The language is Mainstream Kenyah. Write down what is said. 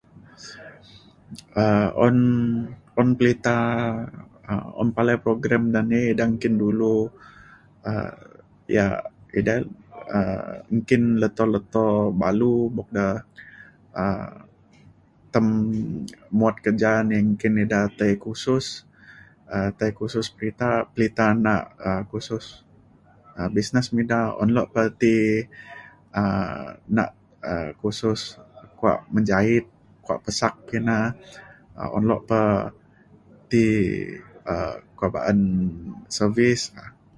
um un un pelita um un palai program da ni ida nggin dulu um yak ida um nggin leto leto balu buk da um tem muat kerja ni nggin ida tai kursus um tai kursus perita pelita nak me ida kursus business me ida un lok pa ti um] nak um kursus kuak menjahit kuak pesak kina um un lok pa ti um kuak ba’an service.